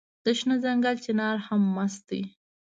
د شنه ځنګل چنار هم مست دی